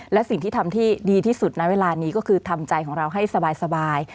และสิ่งที่ทำที่ดีที่สุดในเวลานี้ก็คือทำใจของเราให้สบาย